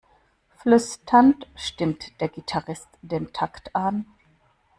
Flüsternd stimmt der Gitarrist den Takt an.